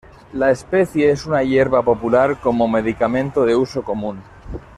La especie es una hierba popular como medicamento de uso común.